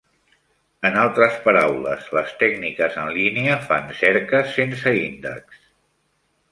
En altres paraules, les tècniques en línia fan cerques sense índex.